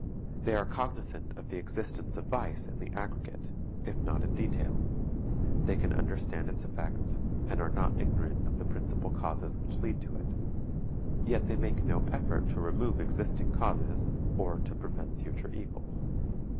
They are cognizant of the existence of vice in the aggregate, if not in detail; they can understand its effects, and are not ignorant of the principal causes which lead to it; yet they make no effort to remove existing causes or to prevent future evils.